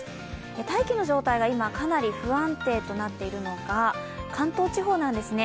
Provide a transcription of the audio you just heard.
大気の状態が今、かなり不安定となっているのか関東地方なんですね。